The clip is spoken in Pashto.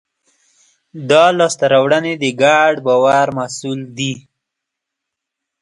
دا لاستهراوړنې د ګډ باور محصول دي.